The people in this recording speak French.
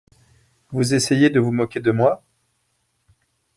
Vous essayez de vous moquer de moi ?